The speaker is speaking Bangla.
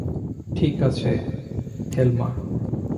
ঠিক আছে, থেলমা।